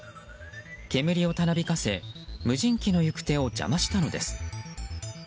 煙をたなびかせ無人機の行く手を邪魔したのです。